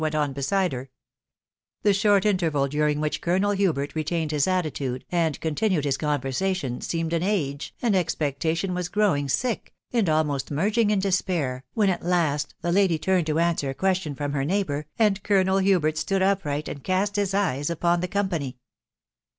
wtrt. «a YwsAfc^^ F w 3 458" Tent The short interval during which Colonel Hubert retained hi* attitude and continued his conversation, seemed an age, tad expectation was growing sick, and almost merging in. despair, when at last die lady turned to answer a question front her neighbour, and Colonel Hubert stood upright and cast hie eye* upon the company.